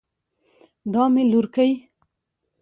دا مې لورکۍ